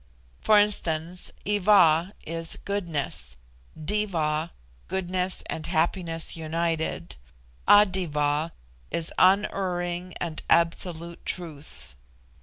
For instance, Iva is goodness; Diva, goodness and happiness united; A Diva is unerring and absolute truth.